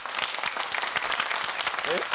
えっ？